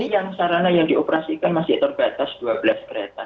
jadi yang sarana yang dioperasikan masih terbatas dua belas kereta